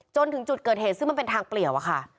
จนถึงจุดเกิดเหตุซึ่งมันเป็นทางเปลี่ยวอะค่ะ